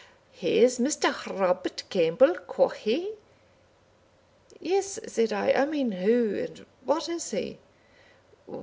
Whae's Mr. Robert Campbell, quo' he?" "Yes," said I, "I mean who and what is he?"